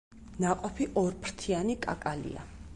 ნაყოფი ორფრთიანი კაკალია.